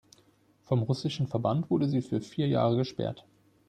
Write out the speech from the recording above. Vom russischen Verband wurde sie für vier Jahre gesperrt.